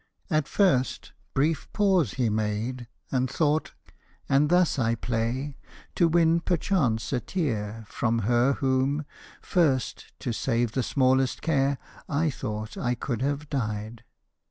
At first brief pause he made, and thought: "And thus I play, to win perchance a tear From her whom, first, to save the smallest care, I thought I could have died!"